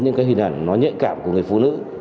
những cái hình ảnh nó nhạy cảm của người phụ nữ